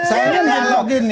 soalnya kalau gini